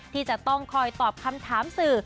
ที่จะต้องคอยตอบคำถามสื่อ